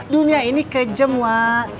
dunia ini kejem wak